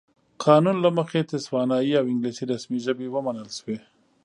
قانون له مخې تسوانایي او انګلیسي رسمي ژبې ومنل شوې.